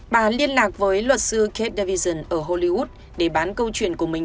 bà liên lạc với luật sư kate davision ở hollywood để bán câu chuyện của mình